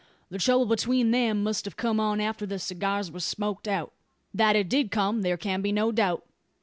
The trouble between them must have come on after the cigars were smoked out. That it did come there can be no doubt.